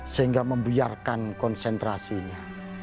sehingga membiarkan konsentrasinya